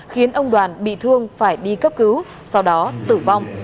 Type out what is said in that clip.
khiến ông đoàn bị thương phải đi cấp cứu sau đó tử vong